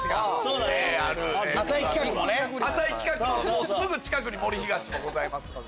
浅井企画のすぐ近くに森東もございますので。